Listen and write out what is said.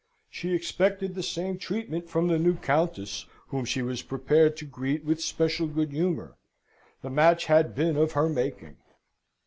She expected the same treatment from the new Countess, whom she was prepared to greet with special good humour. The match had been of her making.